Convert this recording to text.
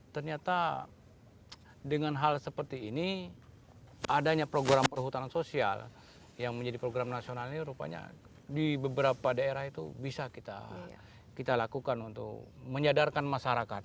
ternyata dengan hal seperti ini adanya program perhutanan sosial yang menjadi program nasional ini rupanya di beberapa daerah itu bisa kita lakukan untuk menyadarkan masyarakat